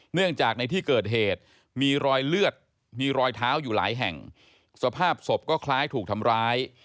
เนื่องจากในที่เกิดเหตุมีรอยเลือดมีรอยเท้าอยู่หลายแห่งสภาพศพก็คล้ายถูกทำร้าย